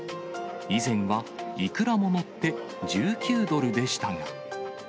以前はいくらも載って１９ドルでしたが。